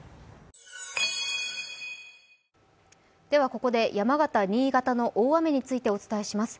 ここで山形、新潟の大雨についてお伝えします。